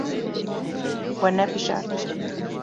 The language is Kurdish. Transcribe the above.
We nebijart.